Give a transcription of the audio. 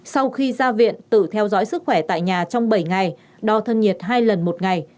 sau khi ra viện tự theo dõi sức khỏe tại nhà trong bảy ngày đo thân nhiệt hai lần một ngày